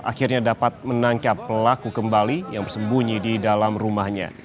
akhirnya dapat menangkap pelaku kembali yang bersembunyi di dalam rumahnya